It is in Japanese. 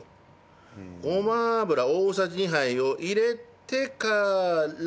ごま油大さじ２杯を入れてから火を。